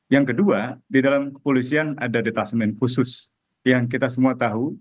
yang kedua di dalam kepolisian ada detasmen khusus yang kita semua tahu